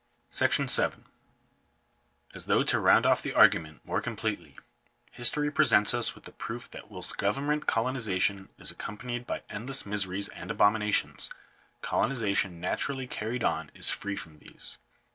§ 7. As though to round off the argument more completely, his tory presents us with proof that whilst government coloniza tion is accompanied by endless miseries and abominations, colonization naturally carried on is free from these.